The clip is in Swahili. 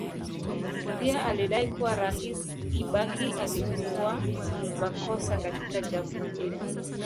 Pia alidai kuwa Rais Kibaki alikuwa makosa katika jambo hilo.